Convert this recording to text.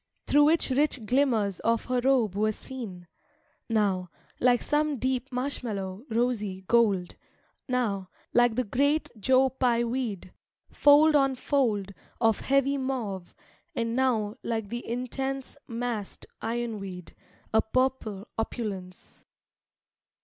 Through which rich glimmers of her robe were seen Now, like some deep marsh mallow, rosy gold; Now, like the great Joe Pye weed, fold on fold Of heavy mauve; and now, like the intense Massed iron weed, a purple opulence.